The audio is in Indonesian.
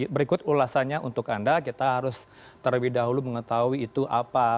berikut ulasannya untuk anda kita harus terlebih dahulu mengetahui itu apa